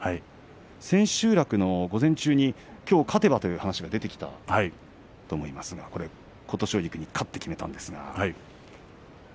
千秋楽の午前中にきょう勝てばという話が出てきたと思いますが琴奨菊に勝って決めましたよね。